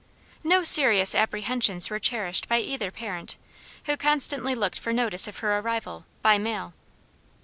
No serious apprehensions were cherished by either parent, who constantly looked for notice of her arrival, by mail.